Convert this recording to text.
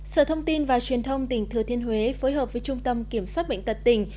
sở thông tin và truyền thông tỉnh thừa thiên huế phối hợp với trung tâm kiểm soát bệnh tật tỉnh